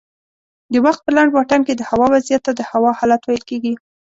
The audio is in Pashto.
د وخت په لنډ واټن کې دهوا وضعیت ته د هوا حالت ویل کېږي